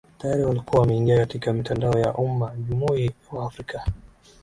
Tayari walikuwa wameingia katika mitandao ya umajumui wa Afrika